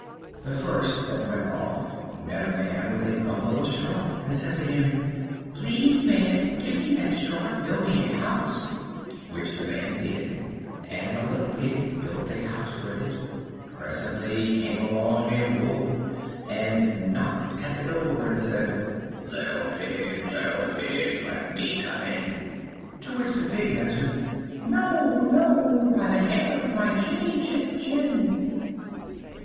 The first that went off met a Man with a bundle of straw, and said to him, "Please, Man, give me that straw to build me a house"; which the Man did, and the little Pig built a house with it. Presently came along a Wolf, and knocked at the door, and said, "Little Pig, little Pig, let me come in." To which the Pig answered, "No, no, by the hair of my chinny chin chin."